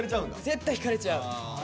絶対ひかれちゃう。